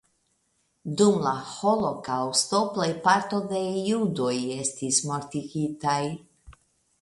Dum la holokaŭsto plejparto de judoj estis mortigitaj.